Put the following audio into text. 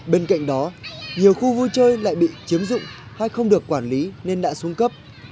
bên cạnh đó nhiều khu vui chơi lại bị chiếm dụng hay không được quản lý nên đã xuống cấp